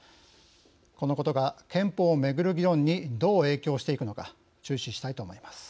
このことが憲法をめぐる議論にどう影響していくのか注視したいと思います。